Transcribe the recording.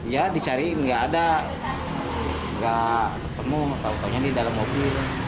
ya dicariin nggak ada nggak ketemu pokoknya di dalam mobil